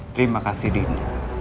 terima kasih dini